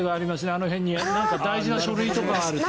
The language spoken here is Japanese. あの辺に大事な書類とかあると。